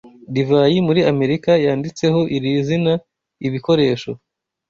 Divayi muri Amerika yanditseho iri zina "ibikoresho"